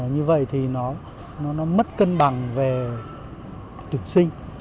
như vậy thì nó mất cân bằng về tuyển sinh